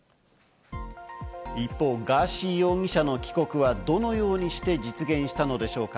一方、ガーシー容疑者の帰国はどのようにして実現したのでしょうか。